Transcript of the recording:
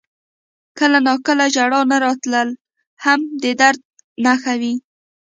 • کله ناکله ژړا نه راتلل هم د درد نښه وي.